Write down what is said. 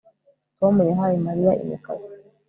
Tom yahaye Mariya imikasi